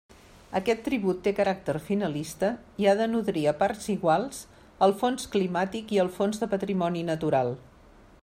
Aquest tribut té caràcter finalista i ha de nodrir a parts iguals el Fons climàtic i el Fons de patrimoni natural.